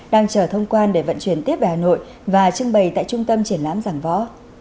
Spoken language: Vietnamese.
đang chờ thông quan để vận chuyển tiếp về hà nội và trưng bày tại trung tâm triển lãm giảng võ